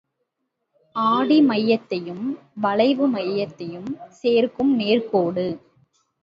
ஆடி மையத்தையும் வளைவுமையத்தையும் சேர்க்கும் நேர்க்கோடு.